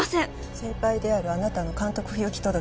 先輩であるあなたの監督不行き届きね。